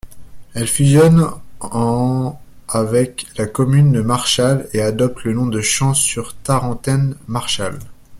Elle fusionne en avec la commune de Marchal et adopte le nom de Champs-sur-Tarentaine-Marchal.